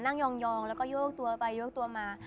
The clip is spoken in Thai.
นั่งยองแล้วก็เยื้อกตัวไปเยื้อกตัวมา